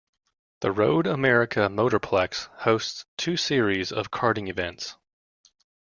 The Road America Motorplex hosts two series of karting events.